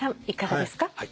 いかがですか？